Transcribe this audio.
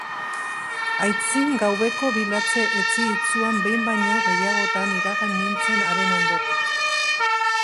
Aitzin gaueko bilatze etsi itsuan behin baino gehiagotan iragan nintzen haren ondotik,